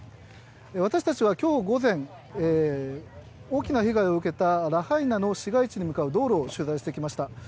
私たちはきょう午前、大きな被害を受けたラハイナの市街地に向かう道路を取材してきました。